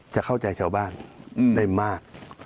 จะเข้าใจชาวบ้านได้มาก